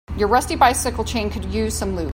Your rusty bicycle chain could use some lube.